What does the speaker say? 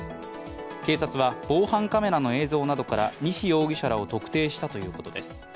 警察は、防犯カメラの映像などから西容疑者らを特定したということです。